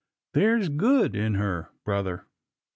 There's good in her, brother."